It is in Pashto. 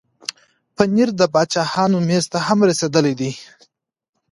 پنېر د باچاهانو مېز ته هم رسېدلی دی.